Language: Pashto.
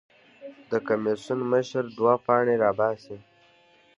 د کمېسیون مشر دوه پاڼې راباسي.